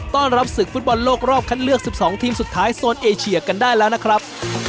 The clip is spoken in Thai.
ต้อนรับศึกฟุตบอลโลกรอบคัดเลือก๑๒ทีมสุดท้ายโซนเอเชียกันได้แล้วนะครับ